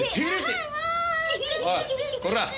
おいこら！